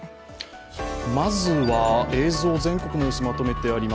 まずは映像、全国の様子まとめてあります。